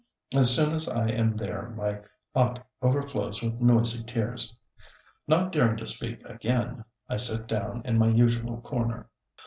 As soon as I am there my aunt overflows with noisy tears. Not daring to speak again, I sit down in my usual corner.